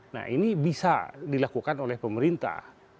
nah ini bisa dilakukan oleh pemerintah